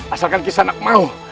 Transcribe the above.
asalkan kisah anak mau